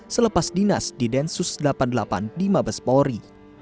selepas dinas di densus delapan puluh delapan di mabespori